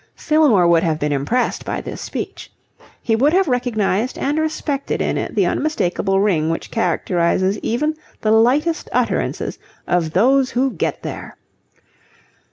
Fillmore would have been impressed by this speech. He would have recognized and respected in it the unmistakable ring which characterizes even the lightest utterances of those who get there.